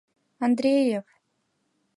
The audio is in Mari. Андреев!